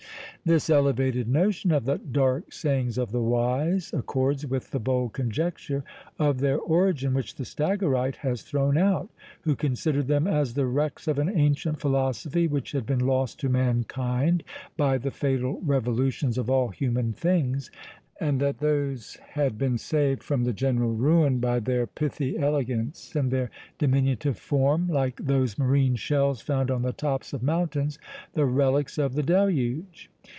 This elevated notion of "the dark sayings of the wise" accords with the bold conjecture of their origin which the Stagyrite has thrown out, who considered them as the wrecks of an ancient philosophy which had been lost to mankind by the fatal revolutions of all human things, and that those had been saved from the general ruin by their pithy elegance and their diminutive form; like those marine shells found on the tops of mountains, the relics of the Deluge!